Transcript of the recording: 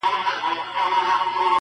څوک چي ستا په قلمرو کي کړي ښکارونه!